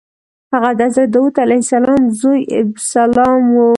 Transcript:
هغه د حضرت داود علیه السلام زوی ابسلام و.